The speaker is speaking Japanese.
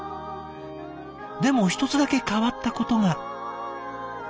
でも一つだけ変わったことが。